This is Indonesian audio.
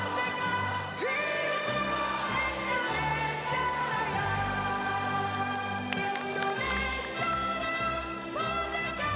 bangsa dan tanah airku